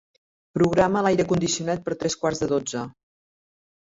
Programa l'aire condicionat per a tres quarts de dotze.